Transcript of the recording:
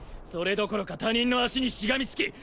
それどころか他人の足にしがみつき